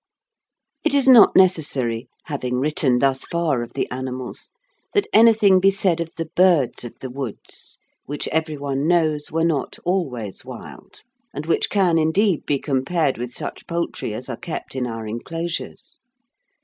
It is not necessary, having written thus far of the animals, that anything be said of the birds of the woods, which every one knows were not always wild, and which can, indeed, be compared with such poultry as are kept in our enclosures.